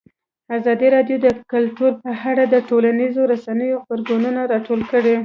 ازادي راډیو د کلتور په اړه د ټولنیزو رسنیو غبرګونونه راټول کړي.